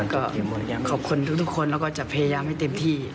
ก็ขอบคุณทุกคนแล้วก็จะพยายามให้เต็มที่